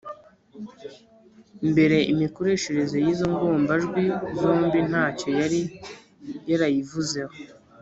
Mbere imikoreshereze y’izo ngombajwi zombi ntacyo yari yarayivuzeho.